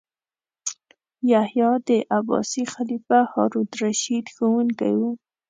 یحیی د عباسي خلیفه هارون الرشید ښوونکی و.